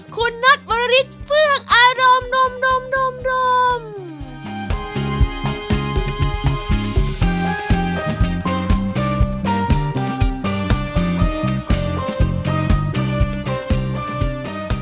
คุณนัทวริสเฟืองอารมณ์นม